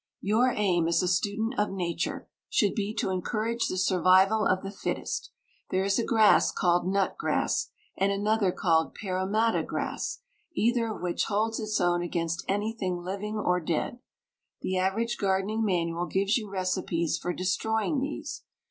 Your aim as a student of Nature should be to encourage the survival of the fittest. There is a grass called nut grass, and another called Parramatta grass, either of which holds its own against anything living or dead. The average gardening manual gives you recipes for destroying these.